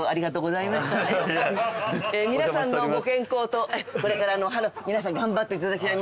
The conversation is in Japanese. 皆さんのご健康とこれから皆さん頑張っていただき。